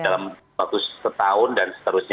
dalam waktu setahun dan seterusnya